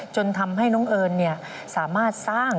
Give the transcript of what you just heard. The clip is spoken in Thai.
จนทำให้น้องเอิญสามารถสร้าง